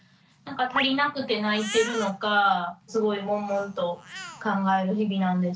足りなくて泣いてるのかすごいもんもんと考える日々なんです。